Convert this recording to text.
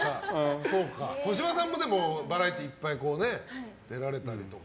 小芝さんもバラエティーいっぱい出られたりとか。